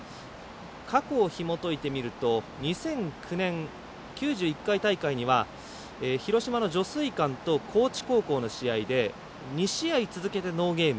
過去をひもといてみると２００９年９１回大会では広島の如水館と高知高校の試合で２試合続けてノーゲーム。